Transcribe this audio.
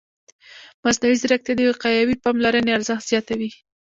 مصنوعي ځیرکتیا د وقایوي پاملرنې ارزښت زیاتوي.